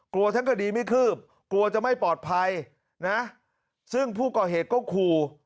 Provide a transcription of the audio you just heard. กลัวทั้งคดีไม่คืบกลัวจะไม่ปลอดภัยนะซึ่งผู้ก่อเหตุก็ขู่